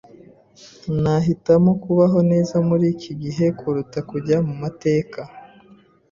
Nahitamo kubaho neza muri iki gihe kuruta kujya mu mateka.